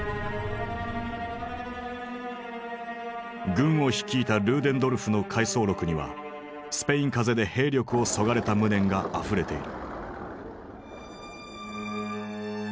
軍を率いたルーデンドルフの回想録にはスペイン風邪で兵力をそがれた無念があふれている。